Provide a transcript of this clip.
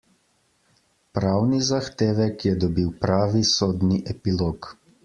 Pravni zahtevek je dobil pravi sodni epilog.